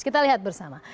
kita lihat bersama